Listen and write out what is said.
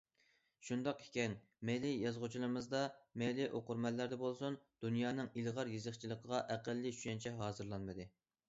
شۇنداق ئىكەن، مەيلى يازغۇچىلىرىمىزدا، مەيلى ئوقۇرمەنلەردە بولسۇن، دۇنيانىڭ ئىلغار يېزىقچىلىقىغا ئەقەللىي چۈشەنچە ھازىرلانمىدى.